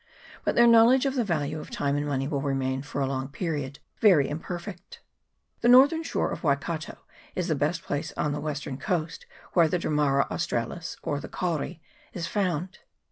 But their know ledge of the value of time and money will remain for a long time very imperfect. The northern shore of Manukao is the last place on the western coast where the Dammara australis, or the kauri, is found.